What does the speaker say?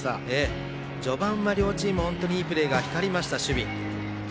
序盤は両チームいいプレーが光りました、守備。